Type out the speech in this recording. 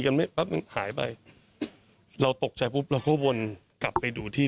กันไม่ปั๊บมันหายไปเราตกใจปุ๊บเราก็วนกลับไปดูที่